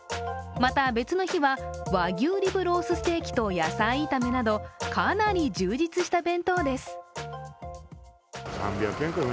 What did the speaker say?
また別の日は、和牛リブロースステーキと野菜炒めなどかなり充実した弁当です。